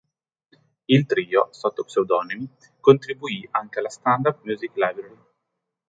Il trio, sotto pseudonimi, contribuì anche alla Standard Music Library.